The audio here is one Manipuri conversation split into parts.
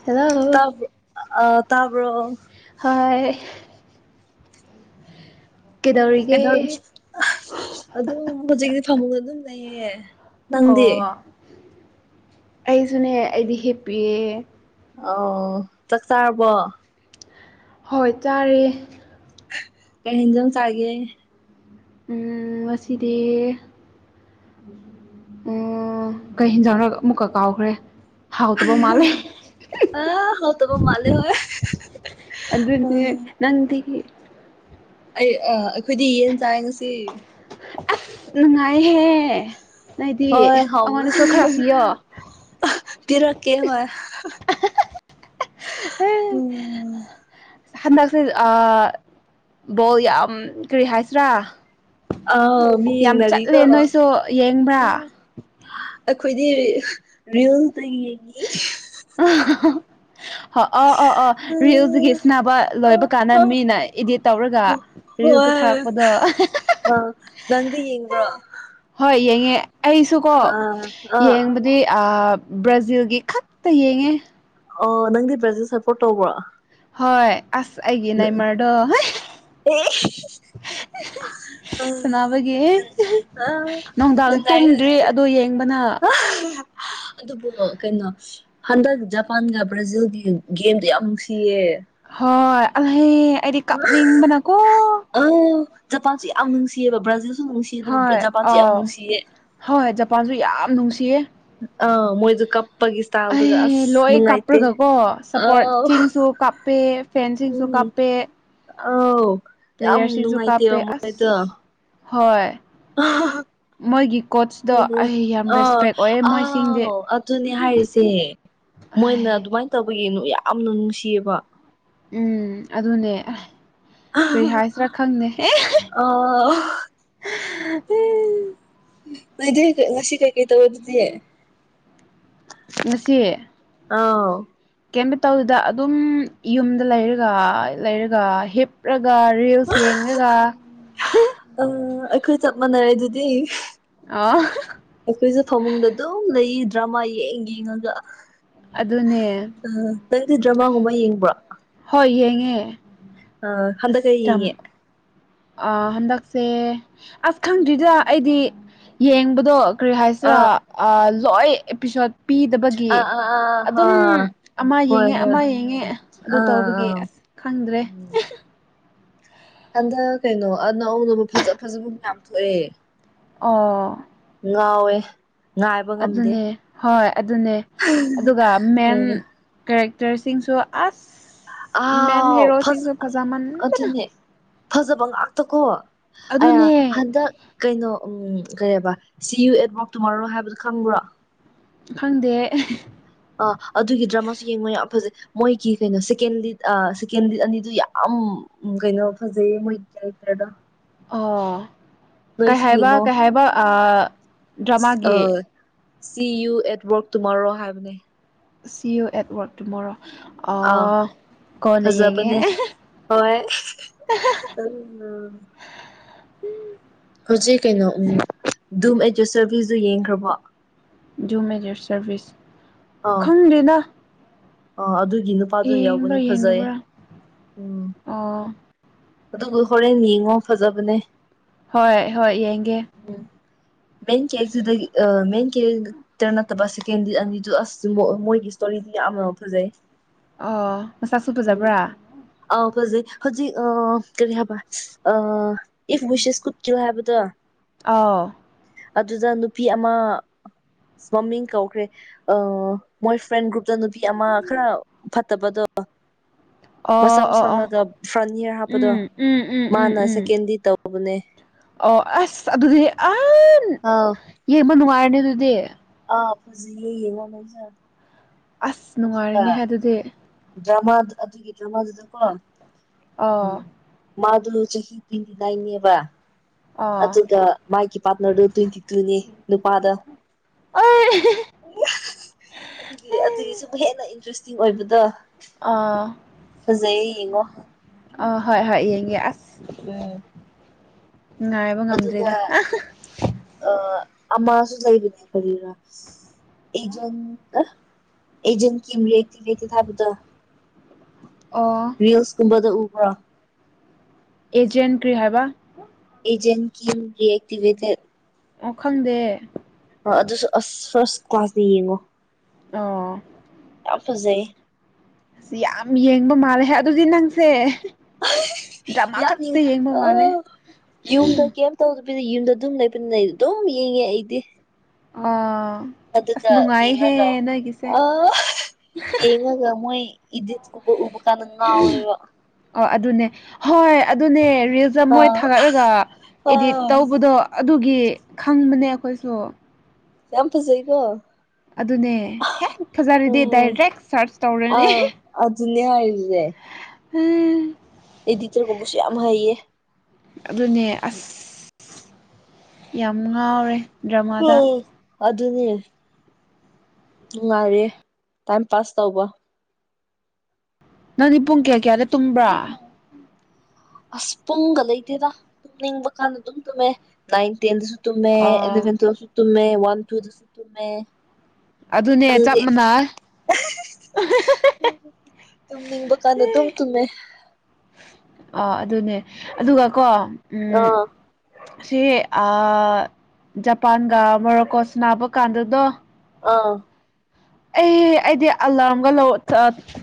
ꯍꯜꯂꯣ ꯑ ꯇꯥꯕ꯭ꯔꯣ ꯍꯣꯏ ꯀꯩꯗꯧꯔꯤꯒꯦ ꯑꯗꯨꯝ ꯍꯧꯖꯤꯛꯔꯤ ꯐꯃꯨꯡ ꯑꯗꯨꯝ ꯂꯩꯌꯦ ꯑꯣ ꯅꯪꯗꯤ ꯑꯩꯁꯨꯅꯦ ꯑꯩꯗꯤ ꯍꯦꯞꯄꯤꯌꯦ ꯑꯣ ꯆꯥꯛ ꯆꯥꯔꯕꯣ ꯍꯣꯏ ꯆꯥꯔꯦ ꯀꯩ ꯍꯦꯟꯖꯟ ꯆꯥꯒꯦ ꯎꯝ ꯉꯁꯤꯗꯤ ꯎ ꯀꯩ ꯍꯦꯟꯖꯥꯔ ꯑꯃꯨꯛꯀ ꯀꯥꯎꯈ꯭ꯔꯦ ꯍꯥꯎꯇꯕ ꯃꯥꯜꯂꯦ ꯑ ꯍ ꯇꯄ ꯃꯜꯦ ꯍ ꯎꯝ ꯅꯡꯗꯤ ꯑꯩ ꯑꯩꯈꯣꯏꯗꯤ ꯌꯦꯟ ꯆꯥꯏ ꯉꯁꯤ ꯅꯨꯡꯉꯥꯏꯍꯦ ꯅꯗꯤ ꯍꯣꯏ ꯍꯥꯎꯕ ꯑꯩꯉꯣꯟꯗꯁꯨ ꯈꯔ ꯄꯤꯌꯣ ꯄꯤꯔꯛꯀꯦ ꯍꯣꯏ ꯑꯦꯝ ꯎꯝ ꯍꯟꯗꯛꯁꯦ ꯕꯣꯜ ꯌꯥꯝ ꯀꯔꯤ ꯍꯥꯏꯁꯤꯔꯥ ꯑꯥꯎ ꯃꯤ ꯌꯥꯝ ꯌꯦꯡꯅꯔꯤꯀꯣ ꯆꯠꯂꯦ ꯅꯣꯏꯁꯨ ꯌꯦꯡꯕ꯭ꯔꯥ ꯑꯩꯈꯣꯏꯗꯤ ꯔꯤꯜꯁꯇ ꯌꯦꯡꯉꯤ ꯑ ꯑꯣ ꯑ ꯔꯤꯜꯁꯤꯒꯤ ꯁꯕ ꯂꯣꯏꯕ ꯀꯥꯟꯗ ꯃꯤꯅ ꯏꯗꯤꯠ ꯇꯧꯔꯒ ꯔꯤꯜꯁ ꯍꯣꯏ ꯊꯥꯔꯛꯄꯗꯣ ꯑ ꯅꯪꯒ ꯌꯦꯡꯕ꯭ꯔꯣ ꯍꯣꯏ ꯌꯦꯡꯉꯦ ꯑꯩꯁꯨꯀꯣ ꯑꯥ ꯑꯥ ꯌꯦꯡꯕꯗꯤ ꯑ ꯕ꯭ꯔꯥꯖꯤꯜꯒꯤ ꯈꯛꯇ ꯌꯦꯡꯉꯦ ꯑ ꯅꯪꯗꯤ ꯕ꯭ꯔꯖꯦ ꯁꯞꯄꯣꯔꯠ ꯇꯧꯕ꯭ꯔꯣ ꯍꯣꯏ ꯑꯁ ꯑꯩꯒꯤ ꯅꯥꯏꯃꯔꯗꯣ ꯁꯅꯕꯒꯤ ꯅꯨꯡꯗꯥꯡ ꯅꯨꯡꯉꯥꯏꯔꯦ ꯇꯨꯝꯗ꯭ꯔꯤ ꯑꯗꯨꯗꯤ ꯑꯗꯣ ꯌꯦꯡꯕꯅ ꯑꯗꯨꯕꯨ ꯀꯩꯅꯣ ꯍꯟꯗꯛ ꯖꯄꯥꯟꯒ ꯕ꯭ꯔꯥꯖꯤꯜꯒꯤ ꯒꯦꯝꯗꯣ ꯌꯥꯝ ꯅꯨꯡꯁꯤꯌꯦ ꯍꯣꯏ ꯑꯂꯍꯦ ꯑꯩꯗꯤ ꯀꯥꯞꯅꯤꯡꯕꯅꯀꯣ ꯑ ꯖꯄꯥꯟꯁꯨꯦ ꯌꯥꯝ ꯅꯨꯡꯁꯤꯌꯦꯕ ꯕ꯭ꯔꯥꯖꯤꯜꯁꯨ ꯅꯨꯡꯁꯤꯌꯦ ꯑꯗꯨꯕꯨ ꯖꯄꯥꯟꯁꯨꯦ ꯌꯥꯝ ꯅꯨꯡꯁꯤꯌꯦ ꯍꯣꯏꯣꯏ ꯖꯄꯥꯟꯁꯨ ꯌꯥꯝ ꯅꯨꯡꯁꯤꯌꯦ ꯑꯥ ꯃꯣꯏꯗꯣ ꯀꯞꯄꯒꯤ ꯑꯩ ꯏꯁꯇꯥꯏꯜꯗꯨꯒ ꯑꯁ ꯂꯣꯏ ꯅꯨꯡꯉꯥꯏꯇꯦ ꯀꯥꯞꯄ꯭ꯔꯒꯀꯣ ꯁꯞꯄꯣꯔꯠ ꯑꯥꯎ ꯁꯤꯡꯁꯨꯞ ꯄꯦ ꯐꯦꯟꯁꯤꯡꯁꯨ ꯎꯝ ꯀꯥꯞꯄꯦ ꯑꯥꯎ ꯌꯥꯝ ꯄ꯭ꯂꯦꯌꯔꯁꯤꯡꯁꯨ ꯀꯥꯞꯄꯦ ꯅꯨꯡꯉꯥꯏꯇꯦꯕ ꯃꯣꯏꯗꯣ ꯑꯁ ꯍꯣꯏ ꯃꯣꯏꯒꯤ ꯀꯣꯆꯇꯣ ꯎꯝ ꯎꯝ ꯑꯩ ꯌꯥꯝ ꯑ ꯔꯦꯁꯄꯦꯛ ꯑꯣꯏꯑꯦ ꯃꯣꯏꯁꯤꯡꯗꯤ ꯑꯥꯎ ꯑꯗꯨꯅꯦ ꯍꯥꯏꯔꯤꯁꯦ ꯃꯣꯏꯅ ꯑꯗꯨꯃꯥꯏꯅ ꯇꯧꯕꯒꯤꯅꯨ ꯌꯥꯝꯅ ꯅꯨꯡꯁꯤꯌꯦꯕ ꯎꯝ ꯑꯗꯨꯅꯦ ꯀꯔꯤ ꯍꯥꯏꯁꯤꯔꯥ ꯈꯪꯅꯦ ꯑ ꯎ ꯅꯗꯤ ꯉꯁꯤ ꯀꯩ [unintelligible] ꯉꯁꯤ ꯑꯥꯎ ꯀꯩꯝ ꯇꯧꯗꯦꯗ ꯑꯗꯨꯝ ꯌꯨꯝꯗ ꯂꯩꯔꯒ ꯂꯩꯔꯒ ꯍꯤꯞꯔꯒ ꯔꯤꯜꯁ ꯊꯡꯅꯒ ꯑ ꯑꯩꯈꯣꯏ ꯆꯞ ꯃꯥꯟꯅꯔꯦ ꯑꯗꯨꯗꯤ ꯑ ꯑꯩꯈꯣꯏꯁꯨ ꯐꯃꯨꯡꯗ ꯑꯗꯨꯝ ꯂꯩ ꯗ꯭ꯔꯃꯥ ꯌꯦꯡ ꯌꯦꯡꯉꯒ ꯑꯗꯨꯅꯦ ꯑ ꯅꯪꯗꯤ ꯗ꯭ꯔꯃꯥꯒꯨꯝꯕ ꯌꯦꯡꯕ꯭ꯔꯣ ꯍꯣꯏ ꯌꯦꯡꯉꯦ ꯑ ꯍꯟꯗ ꯑꯁ ꯀꯩ ꯇꯝ ꯌꯦꯉꯦ ꯑ ꯍꯟꯗꯛꯁꯦ ꯑꯁ ꯈꯪꯗ꯭ꯔꯤꯗ ꯑꯩꯗꯤ ꯌꯦꯡꯕꯗꯣ ꯀꯔꯤ ꯍꯥꯏꯁꯤꯔꯥ ꯑꯥ ꯂꯣꯏ ꯑꯦꯄꯤꯁꯣꯠ ꯄꯤꯗꯕ ꯒꯤ ꯑꯥ ꯑꯥ ꯑꯥ ꯑꯗꯨꯝ ꯑꯥ ꯑꯃ ꯍꯣꯏ ꯌꯦꯡꯉꯦ ꯍꯣꯏ ꯑꯃ ꯌꯦꯡꯉꯦ ꯑꯗꯨ ꯑꯥ ꯇꯧꯕꯒꯤ ꯑꯥ ꯑꯁ ꯈꯪꯗ꯭ꯔꯦ ꯎꯝ ꯍꯟꯗꯛ ꯀꯩꯅꯣ ꯑꯅꯧꯅꯧꯕ ꯐꯖ ꯐꯖꯕ ꯃꯌꯥꯝ ꯊꯣꯛꯑꯦ ꯑꯣꯥ ꯉꯋꯦ ꯑꯗꯨꯅꯦ ꯍꯣꯏ ꯑꯗꯨꯅꯦ ꯑꯗꯨꯒ ꯃꯦꯟ ꯎꯝ ꯀꯦꯔꯦꯛꯇꯔꯁꯤꯡꯁꯨ ꯑꯁ ꯑ ꯃꯦꯟ ꯐꯁ ꯍꯦꯔꯣꯁꯤꯡꯁꯨ ꯑꯗꯨ ꯐꯖꯃꯟ ꯑꯗꯨꯅꯦ ꯐꯖꯕ ꯉꯥꯛꯇꯀꯣ ꯑꯌꯥ ꯑꯗꯨꯅꯦ ꯍꯟꯗꯛ ꯀꯩꯅꯣ ꯎꯝ ꯀꯩꯕ ꯁꯤ ꯌꯨ ꯑꯦꯗꯋꯣꯛ ꯇꯨꯃꯣꯔꯣ ꯍꯥꯏꯕꯗꯨꯣ ꯈꯪꯕ꯭ꯔꯣ ꯈꯪꯗꯦ ꯑ ꯑꯗꯨꯒꯤ ꯗ꯭ꯔꯃꯥꯁꯨ ꯌꯦꯡꯉꯣ ꯌꯥꯝ ꯐꯖꯩ ꯃꯣꯏꯒꯤ ꯀꯩꯅꯣ ꯁꯦꯀꯦꯟ ꯂꯤꯠ ꯁꯦꯀꯦꯟ ꯂꯤꯠ ꯑꯅꯤꯗꯨ ꯌꯥꯝ ꯎ ꯀꯩꯅꯣ ꯐꯖꯏ ꯃꯣꯏ ꯀꯦꯔꯦꯛꯇꯔꯗꯣ ꯑꯣ ꯀꯩ ꯅꯣꯏꯁꯨ ꯍꯥꯏꯕ ꯌꯦꯡꯉꯣ ꯀꯩ ꯍꯥꯏꯕ ꯑ ꯁꯤ ꯌꯨ ꯑꯦꯠꯋꯔꯛ ꯇꯨꯃꯣꯔꯣ ꯍꯥꯏꯕꯅꯦ ꯁꯤꯌꯣ ꯑꯦꯠꯋꯔꯛꯇꯨꯃꯣꯔꯣ ꯑꯥ ꯀꯣꯟꯅ ꯌꯦꯡꯉꯦ ꯐꯖꯕꯅꯦ ꯍꯣꯏ [unintelligible] ꯍꯧꯖꯤꯛ ꯀꯩꯅꯣ ꯗꯨꯝ ꯑꯦꯗ꯭ꯔꯦꯁ ꯁꯔꯚꯤꯁꯗꯨꯣ ꯌꯦꯡꯈ꯭ꯔꯕꯣ ꯖꯨꯝ ꯑꯦꯠ ꯌꯣꯔ ꯁꯔꯕꯤꯖ ꯈꯪꯗ꯭ꯦꯗ ꯑ ꯑꯗꯨꯒꯤ ꯅꯨꯄꯥꯗꯨꯅ ꯌꯦꯡꯕ꯭ꯔꯥ ꯌꯥꯎꯚꯅꯤ ꯐꯖꯩꯌꯦ ꯌꯦꯡꯗꯕ꯭ꯔꯥ ꯎꯝ ꯑꯣ ꯑꯗꯨꯗꯨ ꯍꯣꯔꯦꯟ ꯌꯦꯡꯉꯣ ꯐꯖꯕꯅꯦ ꯍꯣꯏ ꯍꯣꯏ ꯌꯦꯡꯒꯦ ꯎꯝ ꯃꯦꯡꯀꯤ ꯑꯦꯁꯨꯗ ꯃꯦꯟ ꯀꯦꯔꯦꯛꯇꯔ ꯅꯠꯇꯕ ꯁꯦꯀꯦꯟꯗꯤꯠ ꯑꯅꯤꯗꯨ ꯑꯁ ꯃꯣꯏꯒꯤ ꯏꯁꯇꯣꯔꯤꯗꯤ ꯌꯥꯝꯅ ꯐꯖꯩ ꯑꯣ ꯃꯁꯥꯛꯁꯨ ꯐꯖꯕ꯭ꯔꯥ ꯑ ꯍꯧꯖꯤꯛ ꯍꯧꯖꯤꯛ ꯑ ꯀꯔꯤ ꯍꯥꯏꯕ ꯑ ꯏꯐ ꯋꯁꯦꯁ ꯀꯨꯠꯀꯣ ꯍꯥꯏꯕꯗꯣ ꯑꯥ ꯑꯗꯨꯗ ꯅꯨꯄꯤ ꯑꯃ ꯃꯃꯤꯡ ꯀꯧꯈ꯭ꯔꯦ ꯑ ꯃꯣꯏ ꯐ꯭ꯔꯦꯟ ꯒ꯭ꯔꯨꯞꯇꯄꯤ ꯑꯃ ꯈꯔ ꯐꯠꯇꯕꯗꯣ ꯑꯣ ꯃꯆꯝ ꯑꯣ ꯑꯣ ꯁꯪꯉꯒ ꯐ꯭ꯔꯟ ꯏꯌꯥꯔ ꯍꯥꯞꯄꯗꯣ ꯎꯝ ꯎꯝ ꯎꯝ ꯎꯝ ꯃꯥꯅ ꯎꯝ ꯁꯦꯀꯦꯟꯗꯤ ꯇꯧꯕꯅꯦ ꯑꯣ ꯑꯁ ꯑꯗꯨꯗꯤ ꯑ ꯑꯥ ꯌꯦꯡꯕ ꯅꯨꯡꯉꯥꯏꯔꯅꯤ ꯑꯗꯨꯗꯤ ꯑꯥ ꯄꯨꯖꯤꯌꯦꯉꯅꯖ ꯑꯁ ꯅꯨꯡꯉꯥꯏꯔꯅꯦ ꯍꯥꯏ ꯑꯗꯨꯗꯤ ꯗ꯭ꯔꯃꯥ ꯑꯗꯨꯒꯤ ꯗ꯭ꯔꯃꯥꯗꯨꯗꯀꯣ ꯎ ꯑꯣ ꯃꯥꯗꯨ ꯆꯍꯤ ꯇꯤꯟꯗꯤ ꯏꯅꯦꯕ ꯑꯣ ꯑꯗꯨꯒ ꯃꯥꯒꯤ [unintelligible] ꯇ꯭ꯋꯦꯟꯇꯤ ꯇꯨꯅꯦ ꯅꯨꯄꯥꯗ ꯑꯩ ꯑꯗꯨꯒꯤ ꯑꯗꯨꯒꯤꯁꯤꯕꯨ ꯍꯦꯟꯅ ꯏꯟꯇꯔꯦꯁꯇꯤꯡ ꯑꯣꯏꯕꯗꯣ ꯑ ꯐꯖꯩꯌꯦ ꯌꯦꯡꯉꯣ ꯑ ꯍꯣꯏ ꯍꯣꯏ ꯌꯦꯡꯉꯦ ꯑꯁ ꯎꯝ ꯉꯥꯏꯕ ꯑꯗꯨꯒ ꯉꯝꯗ꯭ꯔꯤꯗ ꯑ ꯑꯃꯁꯨ ꯂꯩꯕꯅꯦ ꯐꯔꯤꯔ ꯑꯦꯖꯟ ꯑꯦꯖꯦꯟ ꯔꯔꯤꯌꯦꯛꯇ ꯊꯥꯕꯠꯇ ꯑꯣ ꯜꯁ ꯀꯨꯝꯕꯗ ꯎꯕ ꯑꯦꯖꯦꯟ ꯀꯔꯤ ꯍꯥꯏꯕ ꯑꯦꯖꯦꯟ ꯀꯔꯤꯑꯤꯚꯦꯦ ꯑꯣ ꯈꯪꯗꯦ ꯑꯗꯨꯁꯨ ꯑꯁ ꯐꯥꯔꯁ ꯀ꯭ꯂꯥꯁꯇ ꯌꯦꯡꯉꯣ ꯑ ꯌꯥꯝ ꯐꯖꯩ ꯑ ꯌꯥꯝ ꯌꯦꯡꯕ ꯃꯥꯜꯂꯦ ꯑꯗꯨꯗꯤ ꯅꯪꯁꯦ ꯗ꯭ꯔꯃꯥ ꯌꯥꯝꯃꯤ ꯈꯛꯇ ꯌꯦꯡꯕ ꯑ ꯃꯥꯜꯂꯦ ꯌꯨꯝꯗ ꯀꯦꯝ ꯇꯧꯗꯕꯤꯗ ꯌꯨꯝꯗ ꯑꯗꯨꯝ ꯂꯩꯕꯅꯤꯅ ꯑꯩ ꯑꯗꯨꯝ ꯌꯦꯡꯉꯦ ꯑꯩꯗꯤ ꯑ ꯑꯗꯨꯒꯒ ꯌꯦꯡꯉꯒ ꯑ ꯌꯦꯉꯒꯃꯣꯏ ꯏꯗꯤ ꯎ ꯕꯀꯥꯟꯗ ꯉꯥꯎꯋꯦꯕ ꯑꯣ ꯑꯗꯨꯅꯦ ꯍꯣꯏ ꯑꯗꯨꯅꯦ ꯔꯤꯜꯁꯇ ꯃꯣꯏ ꯑꯥ ꯊꯥꯒꯠꯂꯒ ꯏꯗꯤꯠ ꯑꯥ ꯇꯧꯕꯗꯣ ꯑꯗꯨꯒꯤ ꯈꯪꯕꯅꯦ ꯑꯩꯈꯣꯏꯁꯨ ꯌꯥꯝ ꯐꯖꯩꯀꯣ ꯑꯗꯨꯅꯦ ꯍꯦꯛ ꯐꯖꯔꯗꯤ ꯗꯥꯏꯔꯦꯛ ꯁꯥꯔꯆ ꯇꯧꯔꯅꯤ ꯑꯗꯨ ꯑꯗꯨꯅꯦ ꯍꯥꯏꯖꯦ ꯎꯝ ꯑꯩꯗꯤꯇꯔꯒꯨꯝꯕꯁꯨ ꯌꯥꯝ ꯍꯩꯌꯦ ꯑꯗꯨꯅꯦ ꯑꯁ ꯌꯥꯝ ꯉꯥꯎꯔꯦ ꯗ꯭ꯔꯃꯥꯗ ꯎꯝ ꯑꯗꯨ ꯑꯗꯨꯅꯦ ꯅꯨꯡꯉꯥꯏꯔꯦ ꯇꯥꯏꯝ ꯄꯥꯁ ꯇꯧꯕ ꯅꯪꯗꯤ ꯄꯨꯡ ꯀꯌꯥ ꯀꯌꯥꯗ ꯇꯨꯝꯕ꯭ꯔꯥ ꯑꯁ ꯄꯨꯡꯒ ꯂꯩꯇꯦꯗ ꯇꯨꯝꯅꯤꯡꯕ ꯀꯥꯟꯗ ꯑꯗꯨꯝ ꯇꯨꯝꯃꯦ ꯅꯥꯏꯟ ꯇꯦꯟꯗꯁꯨ ꯇꯨꯝꯃꯦ ꯑꯣ ꯑꯦꯂꯟ ꯇꯨꯌꯦꯜꯐ ꯁꯨ ꯇꯨꯃꯦ ꯋꯥꯟ ꯇꯨꯁꯨ ꯇꯨꯝꯃꯦ ꯑꯗꯨꯅꯦ ꯆꯞ ꯅꯪꯗꯤ ꯃꯥꯟꯅꯩ ꯇꯨꯝꯅꯤꯡꯕ ꯀꯥꯟꯗ ꯑꯗꯨꯝ ꯇꯨꯝꯃꯦ ꯑ ꯑꯗꯨꯅꯦ ꯑꯗꯨꯒ ꯀꯣ ꯎꯝ ꯑꯥ ꯁꯤ ꯖꯄꯥꯟꯒ ꯃꯣꯔꯣꯀꯣꯁ ꯅꯥꯕ ꯀꯥꯟꯗꯨꯗꯣ ꯑꯥ ꯑꯩ ꯑꯩꯗꯤ ꯑꯂꯥꯔꯝꯒ ꯂꯧ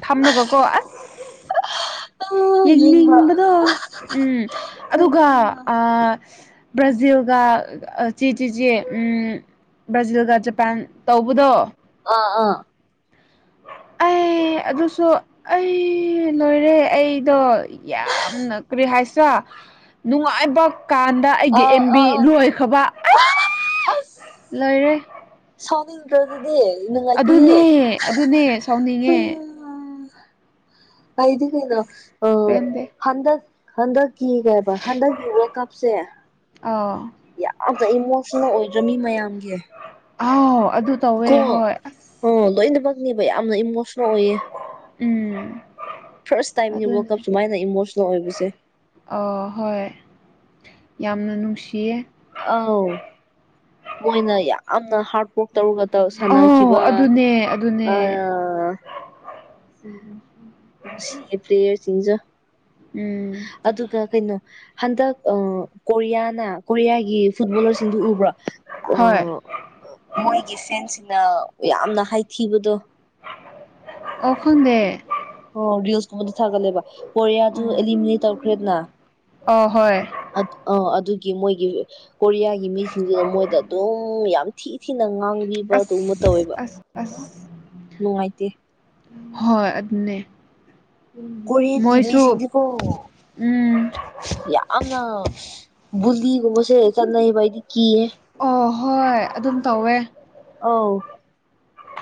ꯊꯝꯂꯒꯀꯣ ꯑꯁ ꯑꯥ ꯌꯦꯡꯕ꯭ꯔꯥ ꯌꯦꯡꯅꯤꯡꯕꯗꯣ ꯎꯝ ꯑꯗꯨꯒ ꯑ ꯕ꯭ꯔꯖꯤꯜꯒ ꯆꯦ ꯆꯤ ꯆꯦ ꯎꯝ ꯕ꯭ꯔꯥꯖꯤꯜꯒ ꯖꯄꯥꯟ ꯇꯧꯕꯗꯣ ꯑꯥ ꯑꯥ ꯑꯩ ꯑꯗꯨꯁꯨ ꯑꯩ ꯂꯣꯏꯔꯦ ꯑꯩ ꯑꯗꯣ ꯌꯥꯝꯅ ꯀꯔꯤ ꯍꯥꯏꯁ ꯅꯨꯡꯉꯥꯏꯕ ꯀꯥꯟꯗ ꯑꯩꯒꯤ ꯑꯥ ꯑꯦꯝ ꯕꯤ ꯑꯥ ꯑꯥ ꯂꯣꯏꯈ꯭ꯔꯕ ꯂꯣꯏꯔꯦ ꯁꯥꯎꯅꯤꯡꯗ꯭ꯔ ꯑꯗꯨꯗꯤ ꯅꯨꯉꯥꯏꯇꯦꯍꯦ ꯑꯗꯨꯅꯦ ꯑꯗꯨꯅꯦ ꯁꯥꯎꯅꯤꯡꯉꯦ ꯀꯗꯤ ꯀꯩꯅ ꯑꯁ ꯑ ꯄꯦꯟꯗꯦ ꯍꯟꯗꯛ ꯍꯟꯗꯛꯀꯤ ꯀꯩ ꯍꯥꯏꯕ ꯍꯟꯗꯛꯀꯤ ꯋꯥꯔꯜꯗ ꯀꯞꯁꯦ ꯑꯥ ꯌꯥꯝꯅ ꯏꯃꯣꯁꯅꯦꯜ ꯑꯣꯏꯗ꯭ꯔ ꯃꯤ ꯃꯌꯥꯝꯒꯤ ꯑ ꯑꯗꯨ ꯇꯧꯋꯦ ꯀꯣ ꯍꯣꯏ ꯑꯁ ꯑꯣ ꯂꯣꯏꯅꯃꯛꯅꯦꯕ ꯌꯥꯝꯅ ꯏꯃꯣꯁꯅꯦꯜ ꯑꯣꯏꯌꯦ ꯎꯝ ꯐꯥꯔꯁ ꯇꯥꯏꯝꯟ ꯋꯔꯜ ꯀꯞ ꯑꯗꯨꯅꯦ ꯁꯨꯃꯥꯏꯅ ꯏꯃꯣꯁꯅꯦꯜ ꯑꯣꯏꯕꯁꯦ ꯑ ꯍꯣꯏ ꯌꯥꯝꯅ ꯅꯨꯡꯁꯤꯌꯦ ꯑꯥꯎ ꯃꯣꯏꯅ ꯌꯥꯝꯅ ꯍꯥꯔꯠ ꯋꯥꯔꯛ ꯇꯧꯔꯒ ꯁꯥꯟꯅꯈꯤꯕ ꯑꯧ ꯑꯗꯨꯅꯦ ꯑ ꯎꯝ ꯎꯝ ꯁꯤ ꯑꯦ ꯄ꯭ꯂꯦꯌꯔ ꯁꯤꯡꯖꯦ ꯎꯝ ꯑꯗꯨꯒ ꯀꯩꯅꯣ ꯍꯟꯗꯛ ꯀꯣꯔꯤꯌꯥꯅ ꯀꯣꯔꯤꯌꯥꯒꯤ ꯐꯨꯠꯕꯣꯂꯔꯁꯤꯡꯗꯨ ꯎꯕ꯭ꯔꯥ ꯍꯣꯏ ꯑꯣ ꯃꯣꯏꯒꯤ ꯁꯦꯟꯁꯤꯅ ꯌꯥꯝꯅ ꯍꯥꯏꯊꯤꯕꯗꯣ ꯑꯣꯈ ꯗꯦ ꯑꯣ ꯔꯤꯜꯁꯀꯨꯝꯕꯗ ꯊꯥꯒꯠꯂꯦꯕ ꯄꯣꯔꯤꯌꯥꯗꯨ ꯑꯦꯂꯤꯃꯤꯅꯦꯠ ꯇꯧꯈ꯭ꯔꯦꯗꯅ ꯑ ꯍꯣꯏ ꯑ ꯑꯗꯨꯒꯤ ꯃꯣꯏꯒꯤ ꯀꯣꯔꯤꯌꯥꯒꯤ ꯃꯤꯁꯤꯡꯗꯨꯗ ꯃꯣꯏꯗ ꯑꯗꯨꯝ ꯌꯥꯝ ꯊꯤ ꯊꯤꯅ ꯉꯥꯡꯕꯤꯕ ꯑꯗꯨꯕ ꯑꯁ ꯇꯧꯋꯦꯕ ꯑꯁ ꯑꯁ ꯅꯨꯡꯉꯥꯏꯇꯦ ꯍꯣꯏ ꯑꯗꯨꯅꯦ ꯀꯣꯔꯤꯌꯟꯒꯤ ꯃꯣꯏꯁꯨ ꯃꯤꯁꯤꯡꯗꯤꯀꯣ ꯎꯝ ꯌꯥꯝꯅ ꯕꯨꯂꯤꯒꯨꯝ ꯃꯁꯦ ꯆꯥꯟ ꯥꯏꯗꯤ ꯀ ꯑꯣ ꯍꯣꯏ ꯑꯗꯨꯝ ꯇꯧꯋꯦ ꯑꯥꯎ ꯎꯝ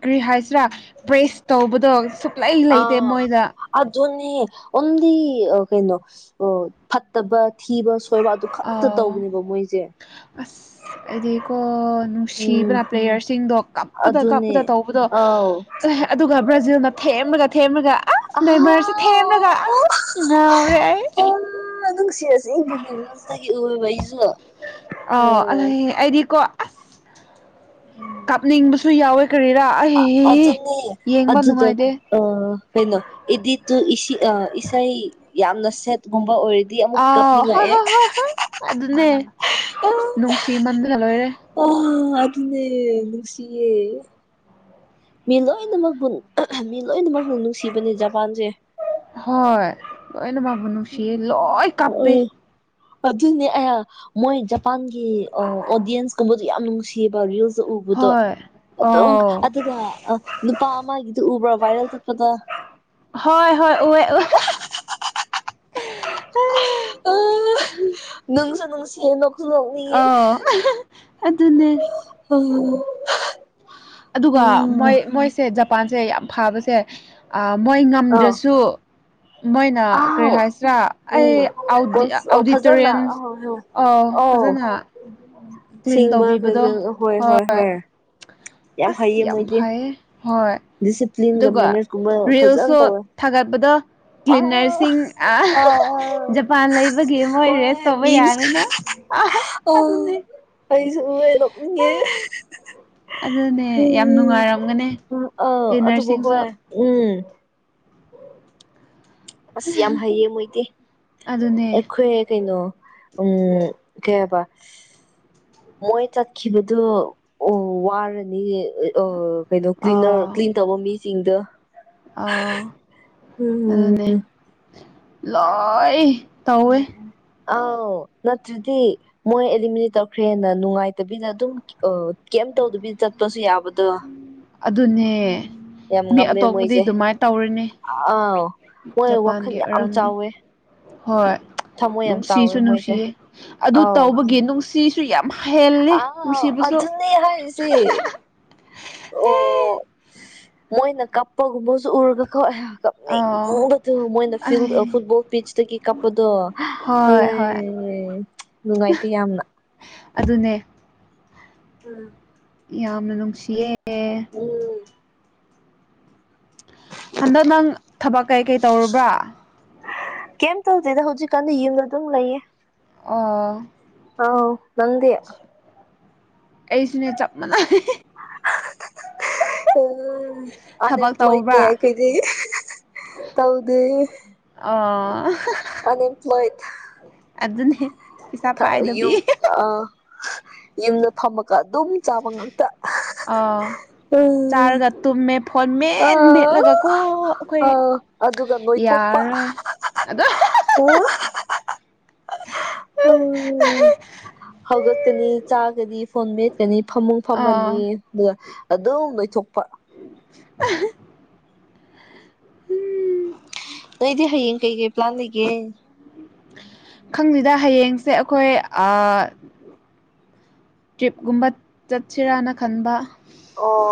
ꯀꯔꯤ ꯍꯥꯏꯁꯤꯔꯥ ꯄ꯭ꯔꯦꯁ ꯇꯧꯕꯗꯣ ꯁꯨꯛꯂꯩ ꯑ ꯂꯩꯇꯦ ꯑ ꯃꯣꯏꯗ ꯑꯗꯨꯅꯦ ꯑꯣꯟ ꯀꯩꯅꯣ ꯐ ꯐꯠꯇꯕ ꯊꯤꯕ ꯁꯣꯏꯕ ꯑꯗꯨ ꯈꯛꯇ ꯑꯥꯎ ꯇꯧꯕꯅꯦꯕ ꯃꯣꯏꯁꯦ ꯑꯁ ꯑꯗꯨꯗꯤ ꯀꯣꯅꯨꯡ ꯅꯨꯡ ꯎꯝ ꯁꯤꯕꯅ ꯄ꯭ꯂꯦꯌꯔꯁꯤꯡꯗꯣ ꯀꯞꯄꯗ ꯑꯗꯨꯅꯦ ꯀꯞꯄꯗ ꯇꯧꯕꯗꯣ ꯑꯥꯎ ꯑꯗꯨꯒ ꯕ꯭ꯔꯖꯤꯜꯅ ꯊꯦꯝꯂꯒ ꯊꯦꯝꯃꯒ ꯑ ꯅ ꯃꯔꯔꯁꯦ ꯊꯦꯝꯂꯒ ꯑꯥ ꯉꯥꯎꯔꯦ ꯑꯩ ꯅꯨꯡꯁꯤꯔꯁ ꯏꯪꯒꯤꯒꯤꯇꯒꯤ ꯑꯣꯏꯑꯕ ꯑꯩꯁꯨ ꯑ ꯑꯗꯨ ꯎꯝ ꯑꯩꯗꯤꯀꯣ ꯑꯁ ꯀꯥꯞꯅꯤꯡꯕꯁꯨ ꯌꯥꯎꯋꯦ ꯀꯔꯤꯔꯥ ꯑꯩ ꯑꯗꯨꯅꯦ ꯌꯦꯡꯕ ꯑꯗꯨꯒ ꯅꯨꯡꯉꯥꯏꯗꯦ ꯑ ꯀꯩꯅꯣ ꯏꯗꯤ ꯇꯨ ꯑ ꯏꯁꯩ ꯌꯥꯝ ꯅꯁꯦꯠ ꯒꯨꯝꯕ ꯑꯣꯏꯔꯗꯤ ꯑꯃꯨꯛ ꯑꯥꯎ ꯍꯣꯏ ꯀꯥꯞꯅꯤꯡꯉꯛꯑꯦ ꯍꯣꯏ ꯍꯣꯏ ꯍꯣꯏ ꯑꯗꯨꯅꯦ ꯅꯨꯡꯁꯤ ꯃꯟꯊ ꯂꯣꯏꯔꯦ ꯑꯣ ꯑꯗꯨꯅ ꯁꯤꯦ ꯃꯤ ꯂꯣꯏꯅꯃꯛꯄꯨ ꯃꯤ ꯂꯣꯏꯅꯃꯛꯕꯨ ꯅꯨꯡꯁꯤꯕꯅꯦ ꯖꯄꯥꯟꯁꯦ ꯍꯣꯏ ꯂꯣꯏꯅꯕꯕꯨ ꯅꯨꯡꯁꯤꯌꯦ ꯂꯣꯏ ꯀꯥꯞꯄꯦ ꯑꯗꯨꯅꯦ ꯑ ꯃꯣꯏ ꯖꯄꯥꯟꯒꯤ ꯑꯣꯗꯤꯌꯦꯟꯁꯀꯨꯝꯕ ꯌꯥꯝ ꯅꯨꯡꯁꯤꯌꯦꯕ ꯔꯤꯜꯁ ꯎꯕꯗꯣ ꯍꯣꯏ ꯑꯗꯨꯝ ꯑꯣ ꯑꯗꯨꯒ ꯑ ꯅꯨꯄꯥ ꯑꯃꯒꯤꯗꯨ ꯎꯕ꯭ꯔꯥ ꯚꯥꯏꯔꯦꯜ ꯆꯠꯄꯗ ꯍꯣꯏ ꯍꯣꯏ ꯎꯋꯦꯦ ꯎ ꯅꯪꯁꯨ ꯅꯅꯨꯡꯁꯤ ꯅ ꯑꯣ ꯑꯗꯨ ꯎꯝ ꯑꯗꯨꯒ ꯃꯣꯏ ꯃꯣꯏꯁꯦ ꯖꯄꯥꯟꯁꯦ ꯌꯥꯝ ꯐꯥꯕꯁꯦ ꯃꯣꯏ ꯑ ꯉꯝꯗ꯭ꯔꯁꯨ ꯃꯣꯏꯅ ꯀꯔꯤ ꯑꯥꯎ ꯍꯥꯏꯁꯤꯔꯥ ꯑꯩ ꯎꯝ ꯑꯣ ꯐꯖꯅ ꯑꯗꯤꯇꯣꯔꯤꯌꯝ ꯑꯍꯣꯏ ꯍꯣꯏ ꯑꯥꯎ ꯑꯧ ꯐꯖꯅ ꯀ꯭ꯂꯤꯟ ꯇꯧꯕꯤꯕꯗꯣ ꯍꯣꯏ ꯑꯁ ꯍꯩꯌꯦ ꯌꯥꯝ ꯃꯣꯏꯗꯤ ꯐꯩꯌꯦ ꯍꯣꯏ ꯗꯤꯁꯤꯄ꯭ꯂꯤꯟꯒ ꯑꯗꯨꯒ ꯃꯦꯅꯦꯖꯀꯨꯝꯕ ꯐꯖꯅ ꯔꯤꯜꯁꯨ ꯇꯧꯋꯦ ꯊꯥꯒꯠꯄꯗꯣ ꯑ ꯀ꯭ꯂꯤꯟꯅꯔꯁꯤꯡ ꯑ ꯑ ꯖꯄꯥꯟ ꯂꯩꯕꯒꯤ ꯃꯣꯏ ꯔꯦꯁ ꯍꯣꯏ ꯇꯧꯕ ꯃꯤꯝꯁ ꯌꯥꯅꯤꯅ ꯑ ꯑ ꯑꯩꯩꯁꯨ ꯂꯅꯤꯡꯦ ꯑꯗꯨꯅꯦ ꯌꯥꯝ ꯅꯨꯡꯉꯥꯏꯔꯝꯒꯅꯦ ꯑ ꯑꯗꯨ ꯍꯣꯏ ꯎꯝ ꯑ ꯌꯥꯝ ꯍꯩꯌꯦ ꯃꯣꯏꯗꯤ ꯑꯗꯨꯅꯦ ꯑꯩꯈꯣꯏ ꯀꯩꯅꯣ ꯎꯝ ꯀꯦꯕ ꯃꯣꯏ ꯆꯠꯈꯤꯕꯗꯨꯣ ꯑꯣ ꯋꯥꯔꯅꯤ ꯀꯩꯅꯣ ꯀ꯭ꯅꯔ ꯑꯥ ꯇꯧꯕ ꯃꯤꯁꯤꯡꯗꯣ ꯑꯥ ꯎꯝ ꯑꯗꯨꯅꯦ ꯂꯣꯏ ꯇꯧꯋꯦ ꯑꯥꯎ ꯅꯠꯇ꯭ꯔꯗꯤ ꯃꯣꯏ ꯑꯦꯂꯤꯃꯤꯅꯦꯠ ꯇꯧꯈ꯭ꯔꯦꯅ ꯅꯨꯡꯉꯥꯏꯇꯕꯤꯗ ꯑꯗꯨꯝ ꯀꯩ ꯇꯧꯗꯕꯤꯗ ꯆꯠꯄꯁꯨ ꯌꯥꯕꯗꯣ ꯑꯗꯨꯅꯦ ꯌꯥꯝ ꯃꯤ ꯉꯝꯃꯦ ꯑꯇꯣꯞꯄꯗꯤ ꯃꯣꯏꯁꯦ ꯑꯗꯨꯃꯥꯏꯅ ꯇꯧꯔꯤꯅꯦ ꯑꯥꯎ ꯃꯣꯏ ꯋꯥꯈꯜ ꯖꯄꯥꯟꯒꯤ ꯌꯥꯝ ꯑꯣꯏꯔꯝꯅꯤ ꯆꯥꯎꯋꯦ ꯍꯣꯏ ꯊꯃꯣꯏ ꯌꯥꯝ ꯆꯥꯎꯋꯦ ꯅꯨꯡꯁꯤꯁꯨ ꯃꯣꯏꯁꯦ ꯅꯨꯡꯁꯤꯌꯦ ꯑꯗꯨ ꯑꯧ ꯇꯧꯕꯒꯤ ꯅꯨꯡꯁꯤ ꯁꯤꯁꯨ ꯌꯥꯝ ꯍꯦꯜꯂꯤ ꯑꯥꯎ ꯅꯨꯡꯁꯤꯕꯁꯨ [unintelligible] ꯑꯣ ꯃꯣꯏꯅ ꯀꯞꯄꯒꯨꯝꯕꯁꯨ ꯎꯔꯒ ꯀꯣ ꯑꯌꯥ ꯑꯥ ꯀꯞꯅꯤꯡꯕꯗꯨ ꯃꯣꯏꯅ ꯐꯤꯜ ꯐꯨꯠꯕꯣꯜ ꯄꯤꯆꯇꯒꯤ ꯀꯞꯄꯗꯣ ꯍꯣꯏ ꯑꯂꯦ ꯍꯣꯏ ꯅꯨꯡꯉꯥꯏꯇꯦ ꯌꯥꯝꯅ ꯑꯗꯨꯅꯦ ꯎꯝ ꯌꯥꯝꯅ ꯅꯨꯡꯁꯤꯌꯦ ꯎꯝ ꯍꯟꯗꯛ ꯅꯪ ꯊꯕꯛ ꯀꯩꯀꯩ ꯇꯧꯔꯕ꯭ꯔꯥ ꯀꯩꯝ ꯇꯧꯗꯦꯗ ꯍꯧꯖꯤꯛꯀꯥꯟꯗ ꯌꯨꯝꯗ ꯑꯗꯨꯝ ꯂꯩꯌꯦ ꯑꯣ ꯑꯥꯎ ꯅꯪꯗꯤ ꯑꯩꯁꯤꯅꯦ ꯆꯞ ꯃꯥꯟꯅꯩ ꯎ ꯊꯕꯛ ꯑꯟꯑꯝꯄ꯭ꯂꯣꯏꯅꯦ ꯇꯧꯕ꯭ꯔꯥ [unintelligible] ꯇꯧꯗꯦ ꯑꯥ [unintelligible] ꯑꯟꯏꯝꯄꯣꯏ ꯑꯗꯨꯅꯦ ꯄꯩꯁꯥ ꯄꯥꯏꯗꯕꯤ ꯌꯨꯝ ꯑ ꯌꯨꯝꯗ ꯐꯝꯃꯒ ꯑꯗꯨꯝ ꯆꯥꯕ ꯉꯥꯛꯇ ꯑꯥ ꯎꯝ ꯆꯥꯔꯒ ꯇꯨꯝꯃꯦ ꯐꯣꯟ ꯃꯦꯠ ꯑꯥ ꯃꯦꯠꯂꯒ ꯀꯣ ꯑꯩꯈꯣꯏ ꯑꯥ ꯑꯗꯨꯒ ꯅꯣꯏꯊꯣꯛꯄ ꯌꯥꯔꯔꯣꯏ ꯑꯗꯣ [unintelligible] ꯎ [unintelligible] ꯎ ꯍꯧꯒꯠ ꯀꯅꯤ ꯆꯥꯒꯅꯤ ꯐꯣꯟ ꯃꯦꯠ ꯀꯩꯅꯤ ꯐꯃꯨꯡ ꯑꯥ ꯐꯝꯃꯅꯤ ꯑꯗꯨꯒ ꯑꯗꯨꯝ ꯂꯣꯏꯊꯣꯛꯄ ꯑ [unintelligible] ꯅꯪꯗꯤ ꯍꯌꯦꯡ ꯀꯩꯀꯩ ꯄ꯭ꯂꯥꯟ ꯂꯩꯒꯦ ꯈꯪꯗꯦꯗ ꯍꯌꯦꯡꯁꯦ ꯑꯩꯈꯣꯏ ꯇ꯭ꯔꯤꯞꯀꯨꯝꯕ ꯆꯠꯁꯤꯔꯥꯅ ꯈꯟꯕ ꯑꯣ